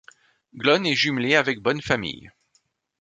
Glonn est jumelée avec Bonnefamille.